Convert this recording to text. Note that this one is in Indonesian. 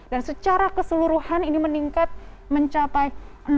dan secara keseluruhan ini meningkat mencapai tiga ratus delapan puluh lima